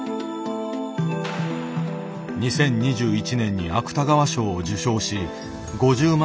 ２０２１年に芥川賞を受賞し５０万